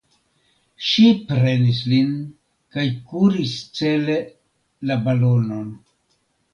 Ŝi prenis lin kaj kuris cele la balonon.